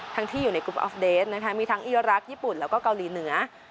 ที่อยู่ในกรุ๊ปออฟเดสนะคะมีทั้งอีรักษ์ญี่ปุ่นแล้วก็เกาหลีเหนือ